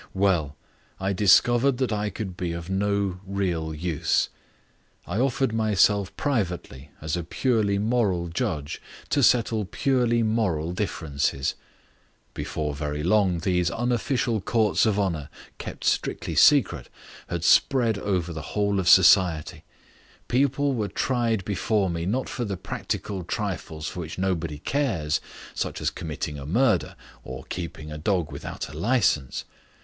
"Well, I discovered that I could be of no real use. I offered myself privately as a purely moral judge to settle purely moral differences. Before very long these unofficial courts of honour (kept strictly secret) had spread over the whole of society. People were tried before me not for the practical trifles for which nobody cares, such as committing a murder, or keeping a dog without a licence.